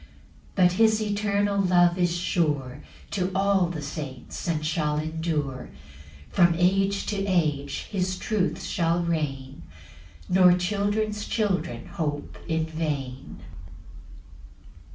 9 But his eternal love is sure To all the saints, and shall endure: From age to age his truth shall reign, Nor children's children hope in vain.